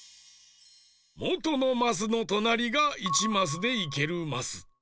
もとのマスのとなりが１マスでいけるマス。